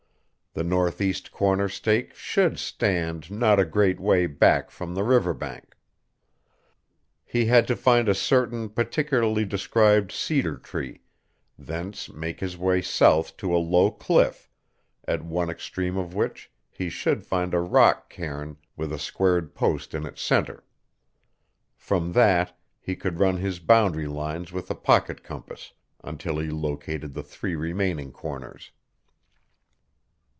The northeast corner stake should stand not a great way back from the river bank. He had to find a certain particularly described cedar tree, thence make his way south to a low cliff, at one extreme of which he should find a rock cairn with a squared post in its center. From that he could run his boundary lines with a pocket compass, until he located the three remaining corners.